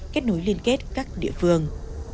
kết nối liên kết các địa phương